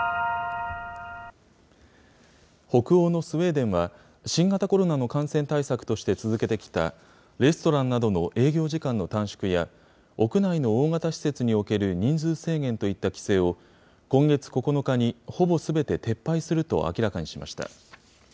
北欧のスウェーデンは、新型コロナの感染対策として続けてきたレストランなどの営業時間の短縮や、屋内の大型施設における人数制限といった規制を、今月９日にほぼすべて、撤廃すると明らかにしました。